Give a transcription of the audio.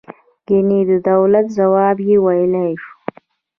ګنې د دولت ځواب یې ویلای شو.